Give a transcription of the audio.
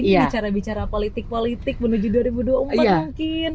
bicara bicara politik politik menuju dua ribu dua puluh empat mungkin